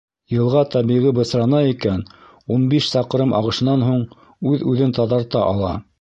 — Йылға тәбиғи бысрана икән, ун биш саҡрым ағышынан һуң үҙ-үҙен таҙарта ала.